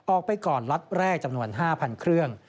ออกไปก่อนล็อตแรกจำนวน๕๐๐เครื่อง